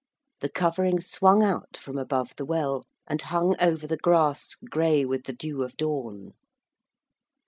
The covering swung out from above the well, and hung over the grass grey with the dew of dawn.